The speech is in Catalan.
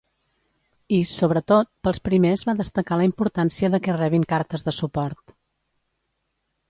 I, sobretot, pels primers va destacar la importància de que rebin cartes de suport.